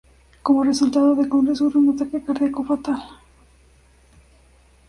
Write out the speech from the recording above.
Como resultado, Cochrane sufre un ataque cardíaco fatal.